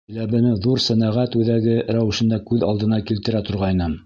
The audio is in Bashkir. Силәбене ҙур сәнәғәт үҙәге рәүешендә күҙ алдына килтерә торғайным.